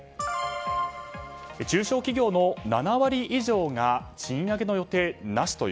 中小企業の７割以上が賃上げの予定なしという。